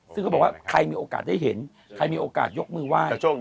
ซึ่งเขาบอกว่าใครมีโอกาสได้เห็นใครมีโอกาสยกมือไหว้